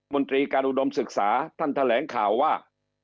นตรีการอุดมศึกษาท่านแถลงข่าวว่า